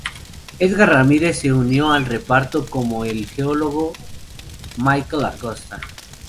Édgar Ramírez se unió al reparto como el geólogo Michael Acosta.